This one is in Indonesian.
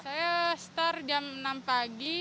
saya start jam enam pagi